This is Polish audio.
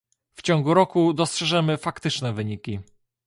W ciągu roku dostrzeżemy faktyczne wyniki